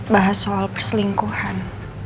bahas soal perselingkuhan